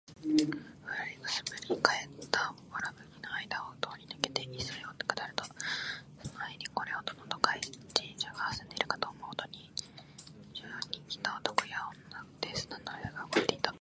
古い燻（くす）ぶり返った藁葺（わらぶき）の間あいだを通り抜けて磯（いそ）へ下りると、この辺にこれほどの都会人種が住んでいるかと思うほど、避暑に来た男や女で砂の上が動いていた。